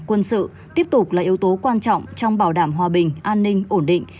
quân sự tiếp tục là yếu tố quan trọng trong bảo đảm hòa bình an ninh ổn định